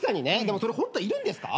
でもそれホントいるんですか？